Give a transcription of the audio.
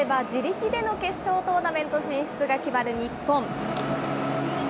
勝てば自力での決勝トーナメント進出が決まる日本。